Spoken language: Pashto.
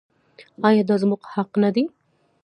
آیا دا زموږ حق نه دی؟